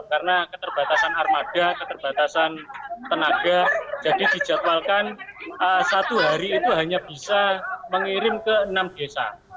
karena keterbatasan armada keterbatasan tenaga jadi dijadwalkan satu hari itu hanya bisa mengirim ke enam desa